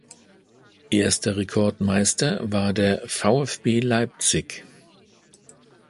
Erster Rekordmeister war der VfB Leipzig.